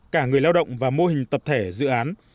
cả người lao động và mô hình tập thể dự án